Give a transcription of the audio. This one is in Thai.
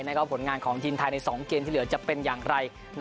ผลงานของทีมไทยใน๒เกมที่เหลือจะเป็นอย่างไร